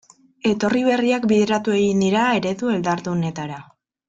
Etorri berriak bideratu egin dira eredu erdaldunetara.